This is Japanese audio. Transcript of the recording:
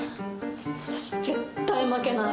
私絶対負けない。